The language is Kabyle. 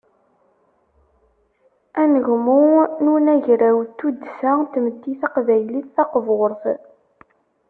Anegmu n unagraw n tuddsa n tmetti taqbaylit taqburt.